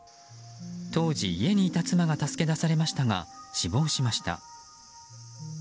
当時、家にいた妻が助け出されましたが死亡しました。